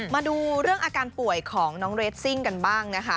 มาดูเรื่องอาการป่วยของน้องเรสซิ่งกันบ้างนะคะ